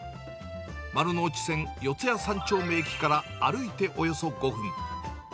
丸ノ内線四谷三丁目駅から歩いておよそ５分。